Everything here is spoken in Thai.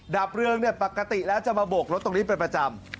ดาบเรืองปกติแล้วจะมาโบกรถตรงนี้เป็นประจำ